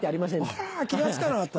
あら気が付かなかった。